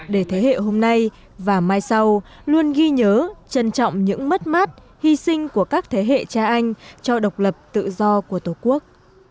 để thế hệ hôm nay và mai sau luôn ghi nhớ trân trọng những mất mát hy sinh của các thế hệ cha anh cho độc lập tự do của tổ quốc